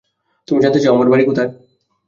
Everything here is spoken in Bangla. তুমি জানতে চাও, আমার বাড়ি কোথায়?